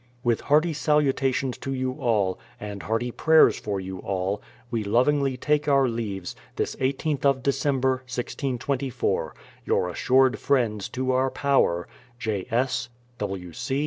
With hearty salutations to you all, and hearty prayers for you all, we lovingly take our leaves, this i8th of Dec, 1624. Your assured friends to our power, J.